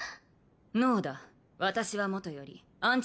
ノーだ私はもとよりアンチ